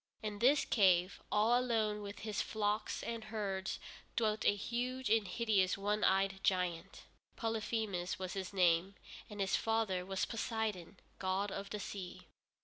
In this cave, all alone with his flocks and herds, dwelt a huge and hideous one eyed giant. Polyphemus was his name, and his father was Poseidon, god of the sea.